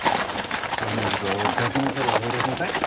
こういうの見るとガキの頃思い出しません？